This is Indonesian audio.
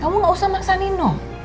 kamu gak usah maksa nino